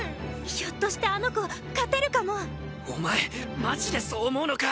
ひょっとしてあの子勝てるかもお前マジでそう思うのか？